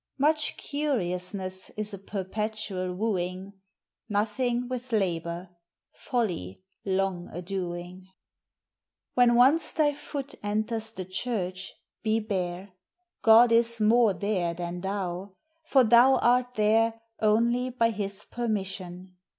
Much curiousnesse is a perpetual wooing; Nothing, with labor; folly, long a doing. When once thy foot enters the church, be bare. God is more there than thou; for thou art there Only by his permission.